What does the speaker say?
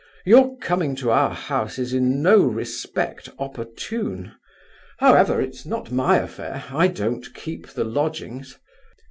Your coming to our house is, in no respect, opportune. However, it's not my affair. I don't keep the lodgings."